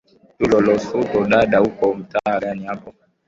tulo lusoti dada uko mtaa gani hapo